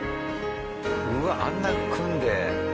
うわっあんな組んで。